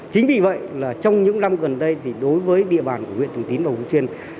chính vì vậy trong những năm gần đây đối với địa bàn của huyện thường tín và hồ quý xuyên